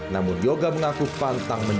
namun yoga mengaku pantang